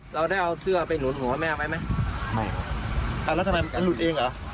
เสื้อเย็นส์แม่